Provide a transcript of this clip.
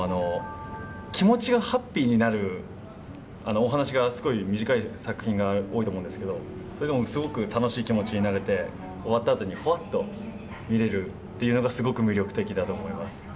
お話が、すごい短い作品が多いと思うんですけどそれでもすごく楽しい気持ちになれて終わったあとにほわっと見られるのがすごく魅力的だと思います。